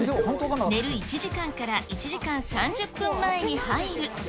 寝る１時間から１時間３０分前に入る。